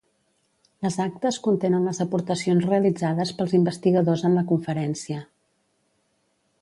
Les actes contenen les aportacions realitzades pels investigadors en la conferència.